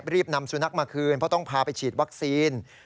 รีบนำสุนัขมาคืนเพราะต้องพาไปฉีดวัคซีน